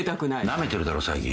なめてるだろ最近。